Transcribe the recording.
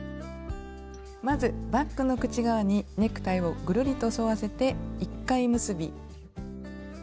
まずバッグの口側にネクタイをぐるりと沿わせて１回結び。